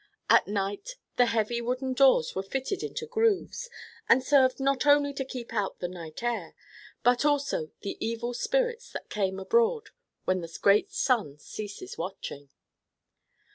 At night the heavy wooden doors were fitted into grooves and served not only to keep out the night air, but also the evil spirits that come abroad when the great sun ceases watching.